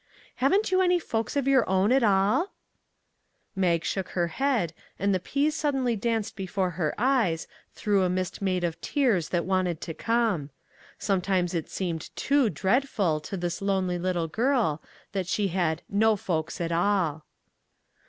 Haven't you any folks of your own at all ?" Mag shook her head, and the peas suddenly danced before her eyes through a mist made of tears that wanted to come. Sometimes it seemed too dreadful to this lonely little girl that she had " no folks at all."